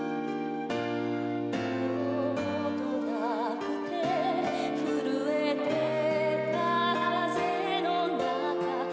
「心許なくてふるえてた風の中」